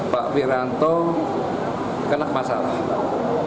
pak wiranto kena masalah